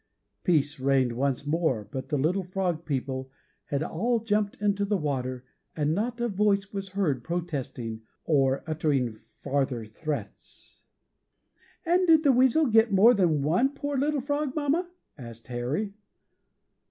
Peace reigned once more, but the little frog people had all jumped into the water, and not a voice was heard protesting or uttering farther threats." "And did the weasel get more than one poor little frog, mamma?" asked Harry.